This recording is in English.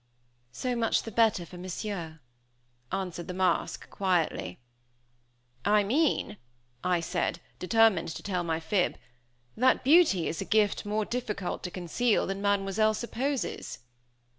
"So much the better for Monsieur," answered the mask, quietly. "I mean," I said, determined to tell my fib, "that beauty is a gift more difficult to conceal than Mademoiselle supposes."